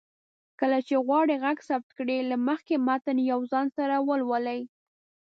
کله چې غواړئ غږ ثبت کړئ، له مخکې متن يو ځل ځان سره ولولئ